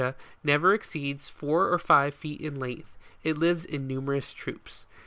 a, never exceeds four or five feet in length. It lives in numerous troops. 40.